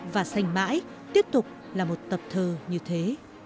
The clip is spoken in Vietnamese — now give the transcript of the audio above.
và sành mãi tiếp tục là một tập thơ như thế